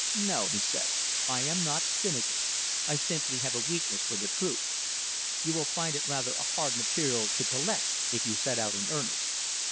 "No!" he said, "I am not cynical. I simply have a weakness for the truth. You will find it rather a hard material to collect if you set out in earnest.